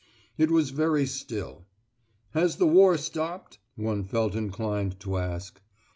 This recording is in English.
It was very still. "Has the war stopped?" one felt inclined to ask.